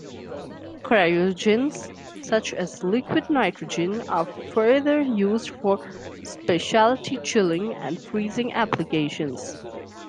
Cryogens, such as liquid nitrogen, are further used for specialty chilling and freezing applications.